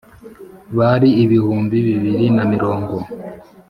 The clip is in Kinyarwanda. bari ibihumbi bibiri na mirongo